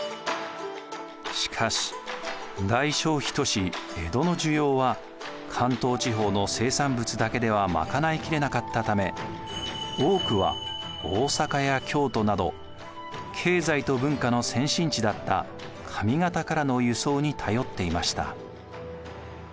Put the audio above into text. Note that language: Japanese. しかし大消費都市江戸の需要は関東地方の生産物だけでは賄いきれなかったため多くは大坂や京都など経済と文化の先進地だった上方からの輸送に頼っていました。